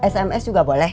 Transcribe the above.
sms juga boleh